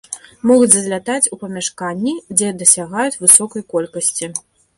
Могуць залятаць у памяшканні, дзе дасягаюць высокай колькасці.